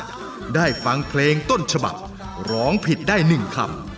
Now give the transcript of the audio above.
คนรู้จักได้ฟังเพลงต้นฉบับร้องผิดได้หนึ่งคำ